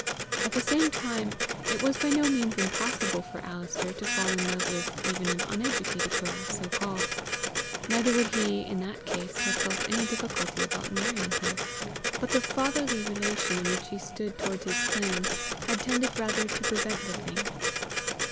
At the same time it was by no means impossible for Alister to fall in love with even an uneducated girl so called; neither would he, in that case, have felt any difficulty about marrying her; but the fatherly relation in which he stood toward his clan, had tended rather to prevent the thing.